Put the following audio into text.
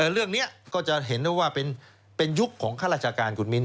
เรื่องนี้ก็จะเห็นได้ว่าเป็นยุคของข้าราชการคุณมิ้น